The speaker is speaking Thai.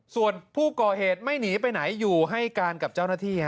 ส่วนผู้ก่อเหตุไม่หนีไปไหนอยู่ให้การกับเจ้าหน้าที่